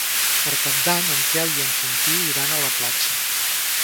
Per Cap d'Any en Quel i en Quintí iran a la platja.